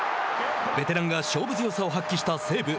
ベテランが勝負強さを発揮した西武。